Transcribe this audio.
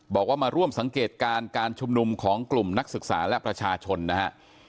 บอกว่ามาร่วมสังเกตการณ์การชุมนุมของกลุ่มนักศึกษาและประชาชนนะฮะ